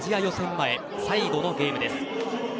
前最後のゲームです。